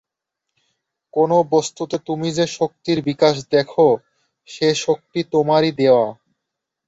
কোন বস্তুতে তুমি যে শক্তির বিকাশ দেখ, সে শক্তি তোমারই দেওয়া।